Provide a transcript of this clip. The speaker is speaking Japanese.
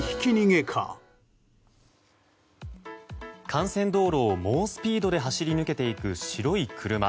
幹線道路を猛スピードで走り抜けていく白い車。